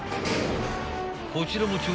［こちらも］